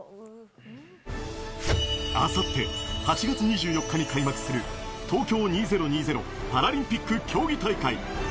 あさって８月２４日に開幕する、東京２０２０パラリンピック競技大会。